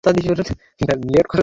আমার বন্ধুকে একটু হাই বলে দেবে?